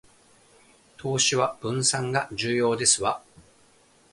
投資は分散が重要ですわ